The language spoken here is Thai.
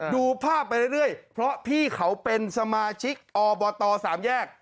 ดูภาพไปเรื่อยเพราะพี่เขาเป็นสมาชิกอบตสามแยก